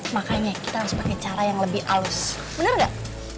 makanya kita harus pakai cara yang lebih aus bener gak